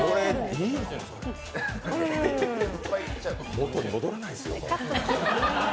元に戻らないですよ。